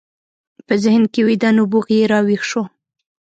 په ذهن کې ويده نبوغ يې را ويښ شو.